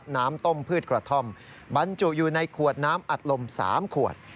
น้ำต้มพืชกระท่อมบรรจุอยู่ในขวดน้ำอัดลม๓ขวด